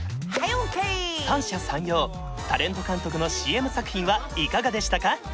三者三様タレント監督のＣＭ作品はいかがでしたか？